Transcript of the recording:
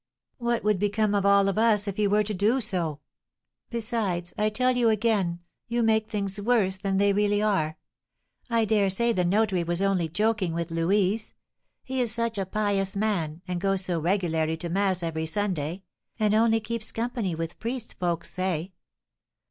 "What would become of all of us if you were to do so? Besides, I tell you again, you make things worse than they really are. I dare say the notary was only joking with Louise. He is such a pious man, and goes so regularly to mass every Sunday, and only keeps company with priests folks say.